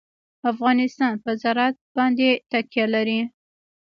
افغانستان په زراعت باندې تکیه لري.